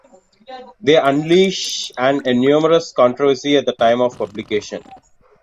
They unleashed an enormous controversy at the time of publication.